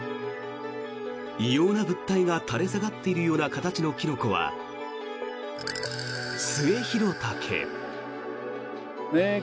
異様な物体が垂れ下がっているような形のキノコはスエヒロタケ。